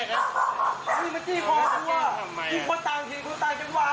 ค่าน้ำค่ารถค่าไฟเรายังไม่ได้จ่ายเขาเลย